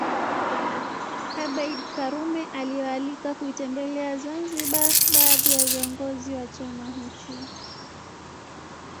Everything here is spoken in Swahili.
Abeid Karume aliwaalika kuitembelea Zanzibar baadhi ya viongozi wa chama hicho